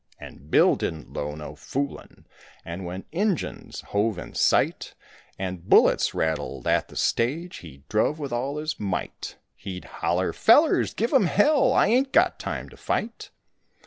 And Bill didn't low no foolin', And when Inguns hove in sight And bullets rattled at the stage, He druv with all his might; He'd holler, "Fellers, give 'em hell, I ain't got time to fight."